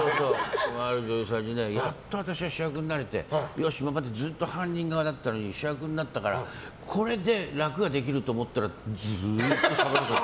ある女優さんにやっと私が主役になれて今までずっと犯人側だったのに主役になったからこれで楽ができると思ったらずーっとしゃべってる。